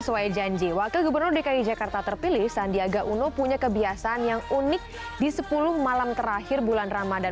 sesuai janji wakil gubernur dki jakarta terpilih sandiaga uno punya kebiasaan yang unik di sepuluh malam terakhir bulan ramadan